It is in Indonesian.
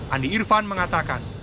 andi irfan mengatakan